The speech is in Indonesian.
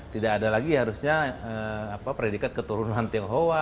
tidak ada lagi harusnya predikat keturunan tionghoa